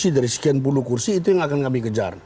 dari sekian puluh kursi itu yang akan kami kejar